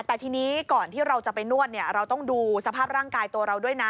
แต่ทีนี้ก่อนที่เราจะไปนวดเนี่ยเราต้องดูสภาพร่างกายตัวเราด้วยนะ